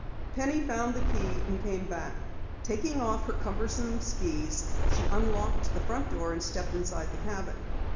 Penny found the key and came back. Taking off her cumbersome skis, she unlocked the front door and stepped inside the cabin.